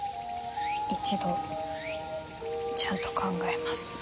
一度ちゃんと考えます。